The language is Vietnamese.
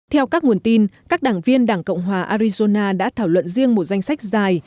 theo các nguồn tin các đảng viên đảng cộng hòa arizona đã thảo luận riêng một danh sách dài